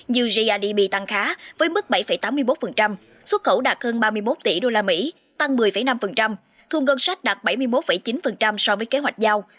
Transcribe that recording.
như grdp tăng khá với mức bảy tám mươi một xuất khẩu đạt hơn ba mươi một tỷ usd tăng một mươi năm thu ngân sách đạt bảy mươi một chín so với kế hoạch giao